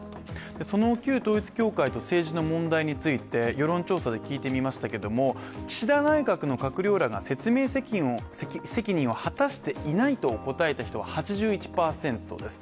その旧統一教会と政治の問題について世論調査で聞いてみましたけども岸田内閣の閣僚らが説明責任を果たしていないと答えた人は８１％です。